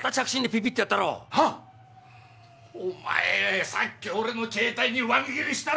お前さっき俺の携帯にワン切りしたろ？